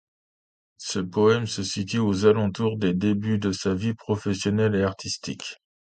Ce poème se situe aux alentours des débuts de sa vie professionnelle et artistique.